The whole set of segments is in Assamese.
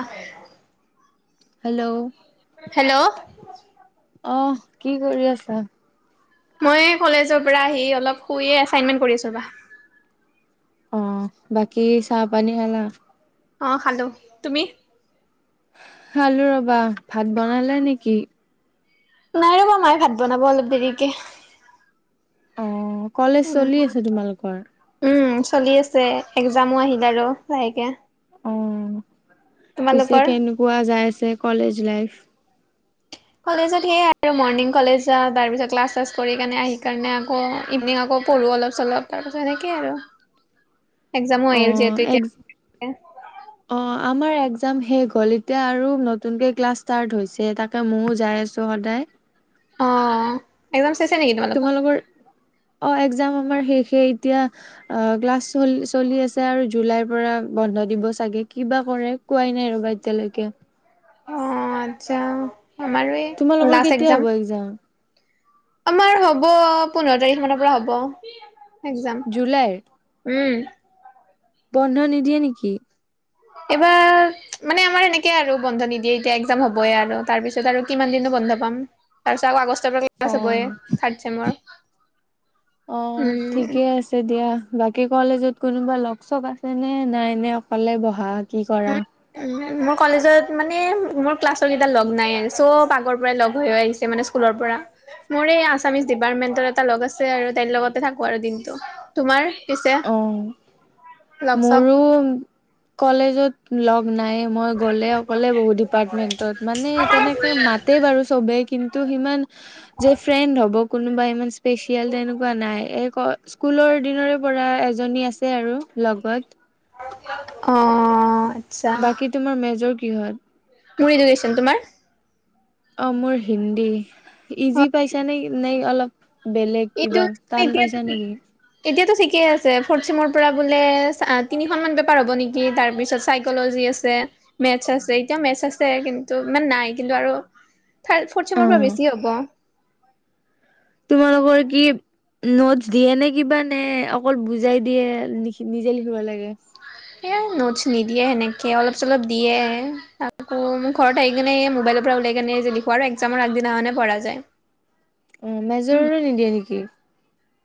আহ। হেল্ল'। হেল্ল'। আহ কি কৰি আছা? মই কলেজৰ পৰা আহি অলপ শুইে এছাইনমেন্ট কৰি আছোঁ ৰবা। অ বাকি চাহ পানী খালা। অ খালো তুমি? খালো ৰবা ভাত বনালে নেকি? নাই ৰবা মায়ে ভাত বনাব অলপ দেৰিকে। অ কলেজ চলি উম আছো তোমালোকৰ? উম চলি আছে এক্জামো আহিল আৰু লাহেকে। অ পিছে তোমালোকৰ? কেনেকুৱা যাই আছে কলেজ লাইফ? কলেজত সেয়াই আৰু মৰ্ণিং কলেজ যা তাৰ পিছত ক্লাছ চাছ কৰিনে আহি কাৰণে আকৌ ইভিনিং আকৌ পঢ়ো অলপ চলপ তাৰপাছত সনেকে আৰু। [inaudible] এক্জামো অ আহিল যিহেতু এক এতিয়া। অ আমাৰ একজাম শেষ হ'ল এতিয়া আৰু নতুনকৈ ক্লাছ ষ্টাৰ্ট হৈছে তাকে ময়ো যাই আছোঁ সদায়। [inaudible] অ একদম চেছে নেকি তোমালোকৰ? অ একজাম আমাৰ শেষে এতিয়া অ ক্লাছ চল চলি আছে আৰু জুলাইৰ পৰা বন্ধ। দিব চাগে কিবা কৰে কোৱাই নাই ৰ'বা এতিয়ালৈকে। অ আচ্ছা আমাৰো এই তোমালোকৰ লাষ্ট কেতিয়া হ'ব একজাম। এক্জাম আমাৰ হ'ব পোন্ধৰ তাৰিখ মানৰ পৰা হ'ব। একজাম, জুলাইৰ উম। বন্ধ নিদিয়ে নেকি? এইবাৰ মানে আমাৰ সনেকে আৰু বন্ধ নিদিয়ে এতিয়া এক্জাম হ'বই আৰু তাৰ পিছত আৰু কিমান দিনৰ বন্ধ পাম তাৰপিছত আকৌ আগষ্টৰ পৰা ক্লাছ অ। হ'বই থাৰ্ড চেমৰ। অৱ উম ঠিকে আছে দিয়া। বাকী কলেজত কোনোবা লগ চ আছে নে নাই এনে অকলে বহা কি? কৰা উম, মই কলেজত মানে মোৰ ক্লাছৰ কেইটা লগ নাই চব আগৰ পৰাই লগ হৈ আহিছে মানে স্কুলৰ পৰা। মোৰ এই আছামিছ ডিপাৰ্টমেন্টৰ এটা লগ আছে আৰু তাই লগতে থাকো আৰু দিনটো তোমাৰ? পিছে অৱ, লগ মোৰ চগ কলেজ লগ নাই মই গ'লে অকলে বহো ডিপাৰ্টমেন্টত মানে তেনেকে মাতে বাৰু চবে কিন্তু সিমান যে ফ্ৰেণ্ড হ'ব কোনোবা ইমান স্পেচিয়েল তেনেকুৱা নাই। স্কুলৰ দিনৰে পৰা এজনী আছে আৰু লগত। অৱ। বাকী তোমাৰ মেজৰ কিহত? মোৰ এডুকেশ্যন তোমাৰ? অ মোৰ হিন্দী, অ ইজি পাইছা নে নে অলপ বেলেগ এইটো কিবা টান এতিয়াতো পাইছা কি? নেকি? এতিয়াতো ঠিক। ঠিকে আছে ফ'ৰ্থ চেমৰ পৰা বোলে তিনিখনমান পেপাৰ হ'ব নেকি? তাৰপিছত চাইক'ল'জি আছে। মেথছ আছে এতিয়াও মেথছ আছে কিন্তু ইমান নাই কিন্তু আৰু থাৰ্ড ফৰ্থ অ চেমৰ পৰা বেছি হ'ব। তোমালোকৰ কি নোট দিয়ে নে কিবা নে অকল বুজাই দিয়ে, নিজে লিখিব লাগে। সেয়াই নোটছ নিদিয়ে সেনেকে অলপ চলপ দিয়ে। আকৌ মোৰ ঘৰত আহি কিনে মোবাইলৰ পৰা উলাই কেনে লিখো আৰু একজামৰ আগদিনা মানে পঢ়া যায়। অ মেজৰৰে নিদিয়ে নেকি?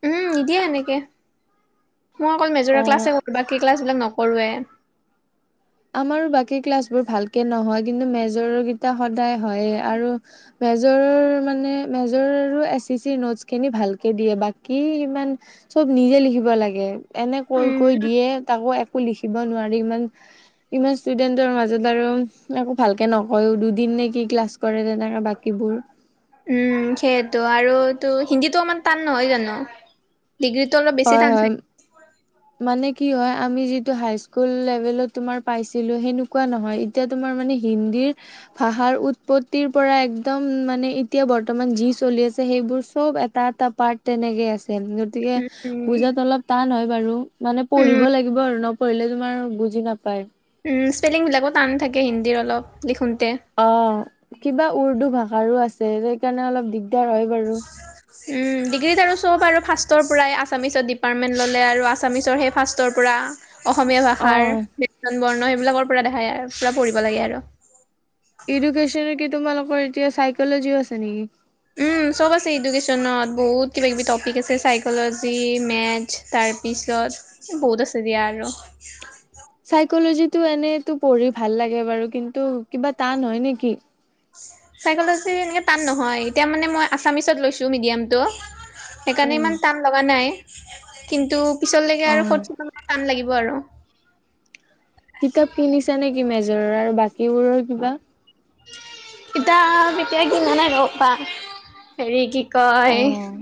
উম নিদিয়ে এনেকে মই অকল মেজৰ ক্লাছে অ কৰ বাকী ক্লাছবিলাক নক কৰোৱে। আমাৰো বাকী ক্লাছ বোৰ ভালকে নহয় কিন্তু মেজৰৰ কেইটা সদায় হয়ে আৰু মেজৰৰ মানে মেজৰ আৰু এছ চি চি নোটচখিনি ভালকে দিয়ে বাকী ইমান চব নিজে লিখিব লাগে এনে কৈ কৈ উম দিয়ে তাকো একো লিখিব নোৱাৰি ইমান ইমান ষ্টুডেন্টৰ মাজত আৰু একো ভালকে নকয়ও দুদিন নে কি ক্লাছ কৰে তেনেকা বাকীবোৰ উম সেইটো আৰু এইটো হিন্দীটো অমান টান নহয় জানো। ডিগ্ৰীতো অলপ বেছি হয় টান হয় চা মানে কি হয় আমি যিটো হাই স্কুল লেভেলত তোমাৰ পাইছিলো সেনেকুৱা নহয় এতিয়া তোমাৰ মানে হিন্দী ন্দীৰ ভাষাৰ উৎপত্তিৰ পৰা একদম মানে এতিয়া বৰ্তমান যি চলি আছে সেইবোৰ চব এটা এটা পাৰ্ট তেনেকে আছে। গতিকে উম উম বুজাত অলপ টান হয় বাৰু মানে উম পঢ়িব লাগিব। নপঢ়িলে তোমাৰ বুজি নাপায়। স্পেলিংবিলাকো টান থাকে হিন্দীৰ অলপ লিখোন অ কিবা উৰ্দু ভাষাৰো আছে সেইকাৰণে অলপ দিগদাৰ হয় বাৰু। উম ডিগ্ৰীত আৰু সব আৰু ফাৰ্ষ্টৰ পৰাই আছামিছত ডিপাৰ্টমেণ্ট ল'লে আৰু আছামিছৰ সেই ফাৰ্ষ্টৰ পৰা অসমীয়া অ ভাষাৰ কীৰ্তন বৰ্ণ সেইবিলাকৰ পৰা দেখাই আৰ পুৰা পঢ়িব লাগে আৰু। এডুকেশ্যনৰ কি তোমালৰ এতিয়া চাইকলজিও আছে নেকি? উম, চব আছে এডুকেশ্যনত বহুত কিবা-কিবি টপিক আছে চাইকলজি মেথছ তাৰ, তাৰ পিছত বহুত আছে দিয়া আৰু। চাইকলজিটো এনেটো পঢ়ি ভাল লাগে বাৰু কিন্তু কিবা টান হয় নেকি? চাইকলজি এনেকে টান নহয় এতিয়া মানে মই আছামিছত লৈছোঁ মিডিয়ামটো। সেইকাৰণে উম। ইমান টান লগা নাই কিন্তু পিছলৈকে আৰু ক অ'। টান লাগিব। আৰু কিতাপ কিনিছা নেকি মেজৰৰ আৰু বাকীবোৰৰ কিবা। কিতাপ এতিয়া কিনা নাই আৰু পাম হেৰি কি কি কয়, অ',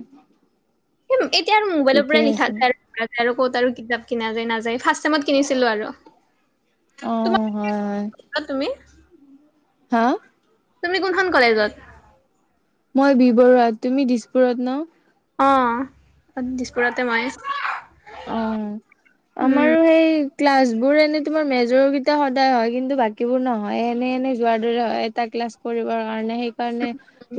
এতিয়া আৰু মোবাইলৰ পৰা ঠিকেই লিখা আছে। যাই আৰু। ক'ত আৰু কিতাপ কিনা যায় নাযায় ফাৰ্ষ্ট টাইমত কিনিছিলো আৰু। অ', হয়, হয়। তোমক অ' তুমি হা তুমি কোনখন কলেজত মই বি বৰুৱা তুমি দিছপুৰত ন। অ' দিছপোৰতে মই। অ' উম আমাৰো সেই ক্লাছ বোৰ এনে তোমাৰ মেজৰ কেইটা সদায় হয় কিন্তু বাকীবোৰ নহয় এনে এনে যোৱাৰ দৰে হয় তাক। ক্লাছ কৰিব কাৰণে সেইকাৰণে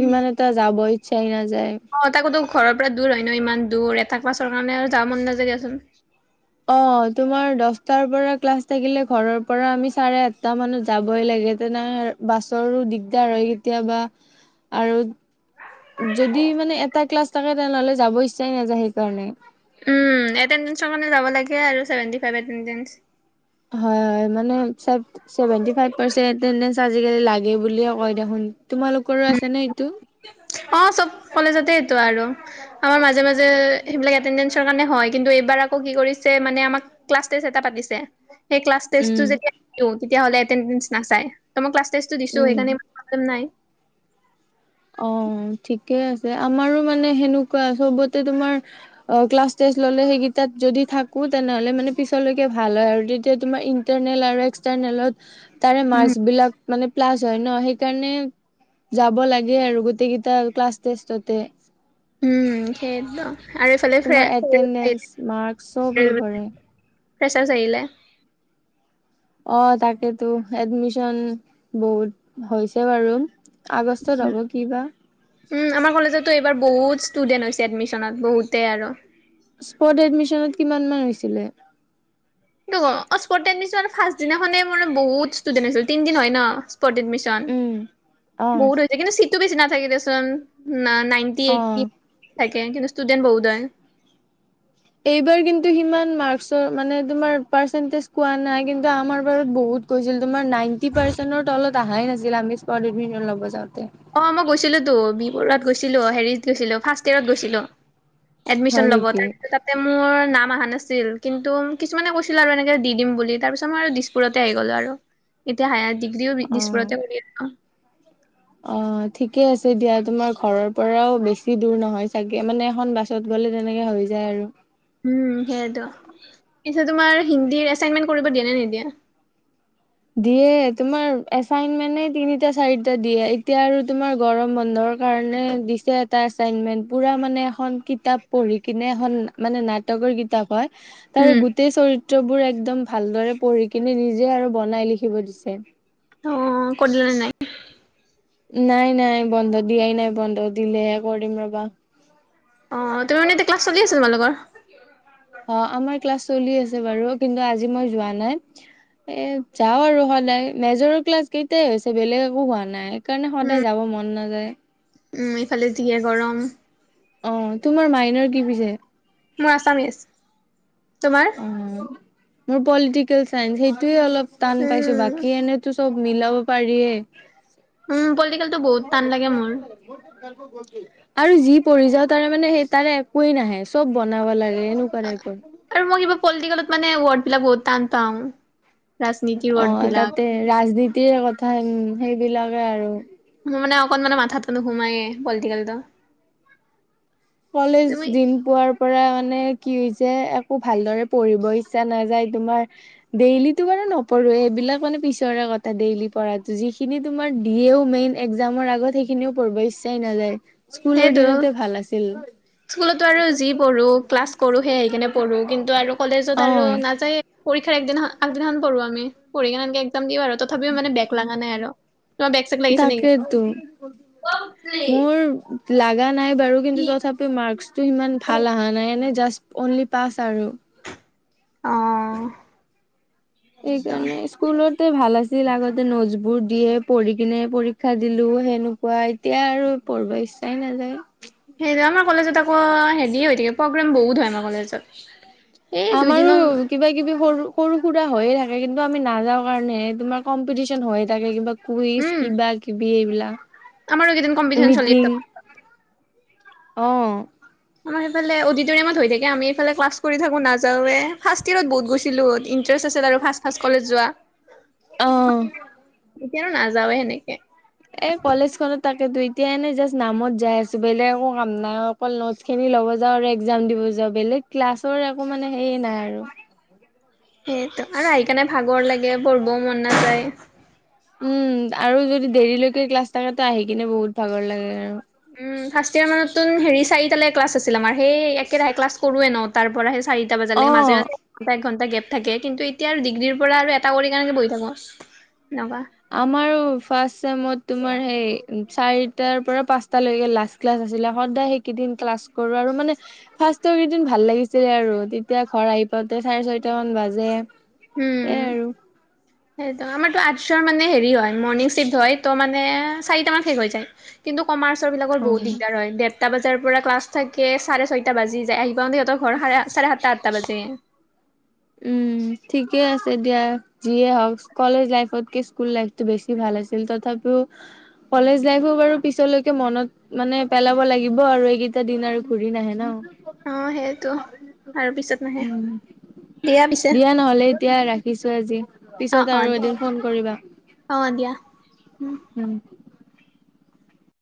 ইমান এটা যাব ইচ্ছাই নাই। অ' তাকোতো ঘৰৰ পৰা দূৰ হয় ন ইমান দূৰ এটাক ক্লাছ ৰবকাৰণে যাও মন নাযায় দিয়াচোন। অ' তোমাৰ দটাৰ পৰা ক্লাছ থাকিলে ঘৰৰ পৰা আমি চাৰে আঠটা মানত যাবই লাগে। তেনে বাছৰো দিগদাৰ হয় কেতিয়াবা আৰু যদি মানে এটা ক্লাছ থাকে তেনেহলে যাব ইচ্ছাই নাযায় সেইকাৰণে। উম, এতেনন্দেঞ্চৰ কাৰনে যাব লাগে আৰু ছেভেন্তি ফাইভ এতেনন্দেঞ্চ হয়-হয় মানে সেভেনটি ফাইভ পাৰ্চ এতেনডেচ আজিকালি লাগে বুলিয়ে কয় দেখোন। তোমালোকৰো আছে নে এইটো অ' চব কলেজতে এইটো আৰু আমাৰ মাজে মাজে সেইবিলাক এটেণ্ডেঞ্চৰ কাৰণে হয় কিন্তু এই ইবাৰ আকৌ কি কৰিছে মানে আমাক ক্লাছ টেষ্ট এটা পাতিছে। সেই ক্লাছটো উম, যেতিয়া দিও তেতিয়া হলে এতেন্দেঞ্চ নাচাই ত মই ক্লাছ ক্লাছ টেষ্ট টো দিছো উম। সেইকাৰণে মৰন নাই। অ' ঠিকে আছে আমাৰো মানে সেনেকুৱা চবতে তোমাৰ ক্লাচ টেষ্ট ললে সেইকেইট যদি থাকে। তেনেহ'লে মানে পিছলৈকে ভাল হয় আৰু তেতিয়া তোমাৰ ইন্টাৰনেল আৰু এক্সটাৰনেলত, তাৰে উম মাৰ্কচ বিলাক মানে প্লাছ হয় ন সেইকাৰণে যাব লাগে। আৰু গোটেই কেইটা ক্লাছ টেষ্টতে। উম, সেইদম আৰু এইফালে ফ তোমাৰ এটেনডেন্স মাৰ্কচ চব সেই কৰে [unintelligible] ফ্ৰেছাচ আহিলেই। অ' তাকেতো এডমিশন বহুত হৈছে বাৰু। আগষ্টত হ'ব কি বা উম আমাৰ কলেজতো এইবাৰ বহুত ষ্টুডেন্ট হৈছে এডমিচনত বহুতে আৰু। স্পট এডমিচনত কিমান মান হৈছিলে? টো স্পট অ' এডমিচনত ফাষ্ট দিনাখনে মোৰ বহুত ষ্টুডেন্ট আছিল তিন দিন হয় ন। এডমিচনত উম অ বহুত হৈছে কিন্তু চিটো বেছি নাথাকে দেচোন ন। নাইটি অ এইতি থাকে কিন্তু ষ্টুডেণ্ট বহুত হয়। এইবাৰ কিন্তু সিমান মাৰ্চৰ মানে তোমাৰ পাৰচেনতেজ পোৱা নাই কিন্তু আমাৰ বাৰু বহুত। গৈছিল তোমাৰ নাইটি পাৰ্চৰ তলত অহাই নাছিল আমি এডমিচনত লবা যাওঁতে। অ' মই গৈছিলোতো বি বৰুত গৈছিলো হেৰিত গৈছিলো ফাৰ্ষ্ট ইয়ৰত গৈছিলো। হয় এডমিশন ল'ব নেকি? তাৰপিছত তাতে মোৰ নাম অহা নাই আছিল কিন্তু কিছুমানে কৈছিল আৰু এনেকে দি দিম বুলি তাৰ পিছত মই আৰু দিছপুৰতে আহি গ'লো আৰু এতিয়া হায়াৰ ডিগ্ৰীও অ', দিছপুৰতে কৰি আছো অ ঠিকে আছে দিয়া তোমাৰ ঘৰৰ পৰাও বেছি দূৰ নহয় চাগে মানে এখন বাছত গ'লে তেনেকে হৈ যায় আৰু হু সেইয়াইটো পিছে তোমাৰ হিন্দী এচাইনমেন্ট কৰিব দিয়ে নে নিদিয়ে দিয়ে তোমাৰ এচাইনমেনে তিনিটা চাৰিটা দিয়ে এতিয়া আৰু তোমাৰ গৰম বন্ধ বৰ কাৰণে দিছে এটা এচাইনমেন্ পুৰা মানে এখন কিতাপ পঢ়ি কিনে এখন মানে নাট নাটকৰ কিতাপ হয় তাৰে উম গোটেই চৰিত্ৰ বোৰ একদম ভাল দৰে পঢ়ি কিনে নিজে আৰু বনাই লিখিব দিছে অ কৰিলা নে নাই নাই নাই বন্ধ দিয়াই নাই বন্ধ দিলেহে কৰিম ৰবা আহ তোমাৰ মানে এতিয়া ক্লাছ চলি আছে তোমালোকৰ অ আমাৰ ক্লাছ চলি আছে বাৰু কিন্তু আজি মই যোৱা নাই এ যাওঁ আৰু সদায় মেজৰৰ ক্লাছ কেইটাই হৈছে বেলেগ একো হোৱা নাই সেইকাৰণে উম সদায় যাব মন নাযায় উম ইফালে যিহে গৰম অ তোমাৰ মাইনৰ কি পিছে মোৰ আছামিছ্ তোমাৰ অ মোৰ পলটিকেল চাইঞ্চ সেইটোয়ে অলপ টান পাইছো উম বাকী এনেতো চব মিলাব পাৰিয়ে উম পলটিকেলটো বহুত টান লাগে মোৰ আৰু যি পৰি যাও তাৰে মানে সেই তাৰে একোৱেই নাহে চব বনাব লাগে ৰে নু পাৰে একো আৰু মই কিবা পলিটিকেলত মানে ৱৰ্ডবিলাক বহুত টান পাওঁ ৰাজনীতিৰ অ ৱৰ্ড বিলাক তাতে ৰাজনীতিৰ কথা সেইবিলাকে আৰু মোৰ মানে অকনমানো মাথাত নোসোমাইয়ে পলটিকেলটো কলেজ দিন পোৱাৰ পৰা মানে কি হৈছে একো ভালদৰে পঢ়িব ইচ্ছা নাযায় তোমাৰ ডেইলি তো বাৰু নপঢ়োহে এইবিলাক মানে পিছৰে কথা ডেইলি পঢ়াটো যিখিনি তোমাৰ দিয়েও মেইন এক্জামৰ আগত ত সেইখিনিও পঢ়িব ইচ্ছাই নাযায় স্কুলৰ সেইটো দিনতে ভাল আছে স্কুলতো আৰু যি পঢ়ো ক্লাছ কৰো সেই আহি কিনে পঢ়ো কিন্তু আৰু কলেজত অ আৰু নাযায় পৰীক্ষাৰ একদিনা আগদিনাখন পঢ়ো আমি পৰীক্ষা কেনকে একজাম দিওঁ আৰু তথাপিও মানে বেগ লগা নাই আৰু তোমাৰ বেগ চেগ লাগিছে নিকি তাকেইতো মোৰ লাগা নাই বাৰু কিন্তু তথাপিও মাৰ্কচটো সিমান ভাল অহা নাই এনে জাষ্ট অনলি পাঁচ আৰু সেইটো এইকাৰণে স্কুলত তো ভাল আছিল আগতে নোটছ বোৰ দিয়ে পঢ়ি কিনে পৰীক্ষা দিলো সেনুকা এতিয়া আৰু পঢ়বা ইচ্ছাই নাযায় সেইটো আমাৰ কলেজত আকৌ হেৰি হৈ থাকে প্ৰগ্ৰেম বহুত হয় আমাৰ কলেজত এই আমাৰো দুইদিনৰ কিবা কিবি সৰু সৰু সুৰা হৈয়ে থাকে কিন্তু আমি নাযাও কাৰণেহে তোমাৰ কমপিটিচন হৈয়ে থাকে কিবা কুইজ উম কিবা কিবি এইবিলাক আমাৰো একেইদিন কমপিটিচন চলি আছে অহ আমাৰ সেইফাল অডিটিৰিয়ামত হৈ থাকে আমি এইফালে ক্লাছ কৰি থাকো নাযাওৱে ফাৰ্ষ্ট ইয়েৰত বহুত গৈছিলো ইন ইনটিৰেচ আছিল আৰু ফাচ্ ফাচ্ কলেজ যোৱা অহ এতিয়া আৰু নাযাৱওে সেনেকে এ কলেজখনত তাক এতিয়া এনেই জাষ্ট নামত যাই আছো বেলেগ একো কাম নাই অকল নোটছ খিনি ল'ব যাওঁ আৰু এক্জাম দিব যাওঁ বেলেগ ক্লাছৰ একো মানে হেইয় নাই আৰু সেইটো আৰু আহি কাৰণে ভাগৰ লাগে, পঢ়বও মন নাযায়। উম আৰু যদি দেৰিলৈকে ক্লাছ থাকে, আহি কিনে বহুত ভাগৰ লাগে আৰু উম ফাৰ্ষ্ট ইয়াৰ মানত তোন হেৰি চাৰি তালে ক্লাছ আছিল আমাৰ, সেই একেৰাহে ক্লাছ কৰোৱে ন' তাৰ পৰা চাৰিটা বজালকে মাজে অ', মাজে এঘণ্টা, এঘণ্টা গেপ। থাকে কিন্তু এতিয়া আৰু ডিগ্ৰীৰ পৰা আৰু এটা কৰি কাৰনেেে বহি থাকো এনেকুৱা আমাৰ ফাৰ্ষ্ট চেমত সেই চাৰিটাৰ পৰা পাঁচটালৈ লাষ্ট ক্লাছ আছিল। সদায় সেইকেইিন ক্লাছ কৰো আৰু মানে ফাৰ্ষ্ট কেইদিন ভাল লাগিছিলে আৰু তেতিয়া ঘৰ আহি পাতে চাৰে ছয়টা মান বাজে। উম'। আৰু। সেইটো আমাৰ আৰ্টছ মানে হেৰি হয় মৰ্ণিং চিফ্ট হয় মানে চাৰিটা মান শেষ হৈ যায়। কমাৰ্চৰ বিলাকৰ বহুত অ'। দিগদাৰ হয় দেেৰটা বজাৰ পৰা ক্লাছ থাকে চাৰে ছয়টা বাজি যায় আহি [unintelligible] ঘৰ সাৰে চাৰে সাতটা, আঠটা বাজে। উম'। ঠিকে আছে দিয়া, যিয়ে হওক কলেজ লাইফতকে স্কুল লাইফতটো বেছি ভাল আছিল তথাপি কলেজ লাইফো বাৰু পিছলৈকে মনত মানে পেলাব লাগিব আৰু এইকেইটা দিন আৰু ঘূৰি নাহে ন' অ' সেইটো আৰু পিছত নাহে। উম দিয়া নহ'লে এতিয়া ৰাখিছো আজি, পিছত আৰু এদিন ফোন কৰিবা। অ'দিয়া। উম'।